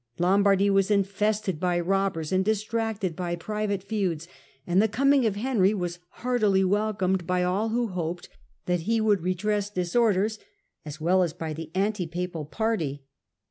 Lombardy was infested by robbers and distracted by private feuds, and the coming of Henry was heartily welcomed by all who hoped that he would redress disorders, as well as by the anti papal party.